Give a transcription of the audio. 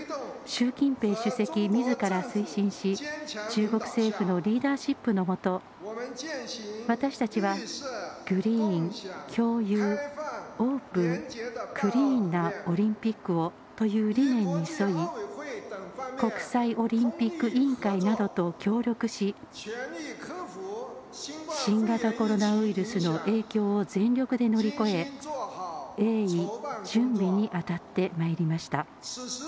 習近平主席、みずから推進し中国政府のリーダーシップのもと私たちはグリーン、共有オープン、クリーンなオリンピックをという理念に沿い国際オリンピック委員会などと協力し新型コロナウイルスの影響を全力で乗り越え鋭意準備に当たってまいりました。